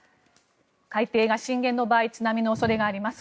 海底が震源の場合津波の恐れがあります。